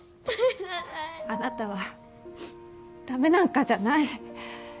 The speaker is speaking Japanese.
あなたは駄目なんかじゃない。